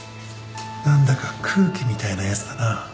何だか空気みたいなやつだな。